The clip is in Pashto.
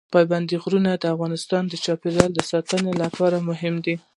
پابندي غرونه د افغانستان د چاپیریال ساتنې لپاره مهم دي.